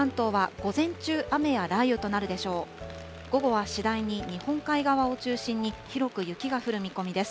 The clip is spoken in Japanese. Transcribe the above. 午後は次第に日本海側を中心に広く雪が降る見込みです。